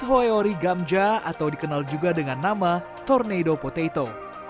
hoeyori gamja atau dikenal juga dengan nama tornado potato